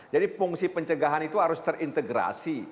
jadi fungsi pencegahan itu harus terintegrasi